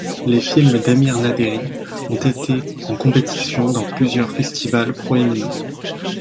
Les films d'Amir Naderi ont été en compétition dans plusieurs festivals proéminents.